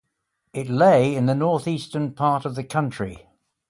It lay in the northeastern part of the country.